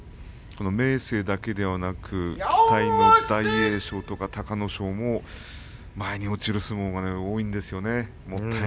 明生だけではなく期待の大栄翔とか、隆の勝も前に落ちる相撲が多いんですよね。